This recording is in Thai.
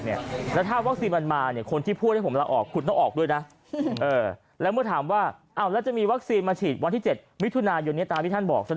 แล้วถ้าวัคซีนมันมาเนี่ยคนที่พูดให้ผมลาออกคุณต้องออกด้วยนะแล้วเมื่อถามว่าแล้วจะมีวัคซีนมาฉีดวันที่๗มิถุนายนนี้ตามที่ท่านบอกใช่ไหม